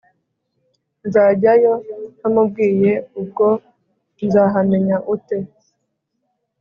nzajyayo ntamubwiye ubwo nzahamenya ute?”